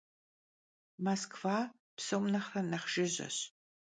Moskva psom nexhre nexh jjıjeş.